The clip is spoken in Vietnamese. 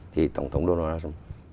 thì tổng thống donald trump